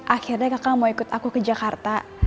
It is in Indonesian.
akhirnya kakak mau ikut aku ke jakarta